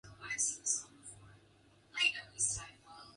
She is buried in the Burr Oak Cemetery in Alsip, Illinois.